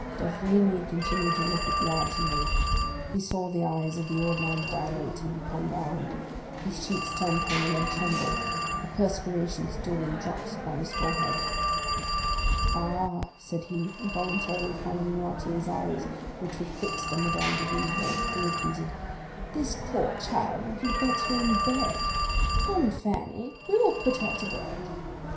D'Avrigny continued to look at Noirtier; he saw the eyes of the old man dilate and become round, his cheeks turn pale and tremble; the perspiration stood in drops upon his forehead. "Ah," said he, involuntarily following Noirtier's eyes, which were fixed on Madame de Villefort, who repeated: "This poor child would be better in bed. Come, Fanny, we will put her to bed." M.